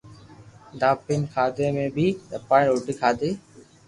دھاپين کادي مي بي دھاپين روٽي کادي